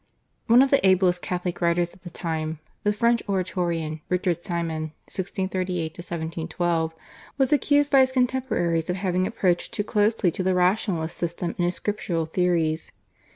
One of the ablest Catholic writers at the time, the French Oratorian /Richard Simon/ (1638 1712), was accused by his contemporaries of having approached too closely to the rationalist system in his scriptural theories.